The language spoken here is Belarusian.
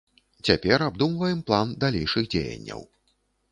Цяпер абдумваем план далейшых дзеянняў.